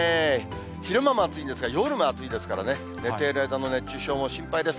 昼間も暑いんですが、夜が暑いですからね、寝ている間の熱中症も心配です。